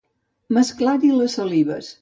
Mesclar-hi les salives.